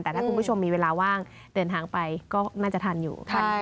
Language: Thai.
แต่ถ้าคุณผู้ชมมีเวลาว่างเดินทางไปก็น่าจะทันอยู่